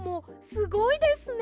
すごいですね！